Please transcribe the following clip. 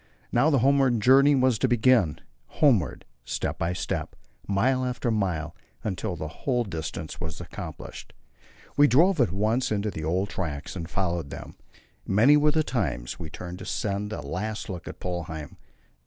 Now the homeward journey was to begin homeward, step by step, mile after mile, until the whole distance was accomplished. We drove at once into our old tracks and followed them. Many were the times we turned to send a last look to Polheim.